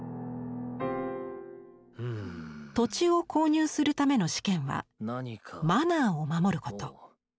土地を購入するための試験は「マナー」を守ること。